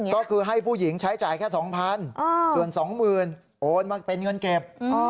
ก็คือให้ผู้หญิงใช้จ่ายแค่๒๐๐๐ส่วน๒๐๐๐โอนมาเป็นเงินเก็บ